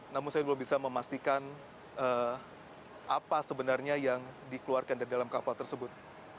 namun saya belum bisa memastikan apa sebenarnya yang dikeluarkan dari dalam kapal tersebut